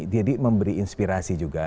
jadi memberi inspirasi juga